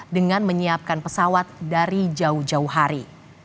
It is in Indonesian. dengan menyiapkan pesawat dari jauh jauh hari